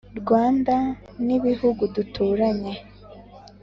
rwanda n'ibihugu duturanye.